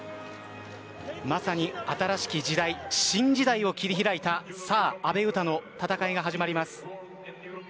まさに新しき時代新時代を切り開いた阿部詩の戦いが始まります。